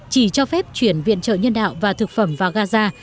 chỉ cho phép chuyển viện trợ nhân đạo và thực phẩm vào gaza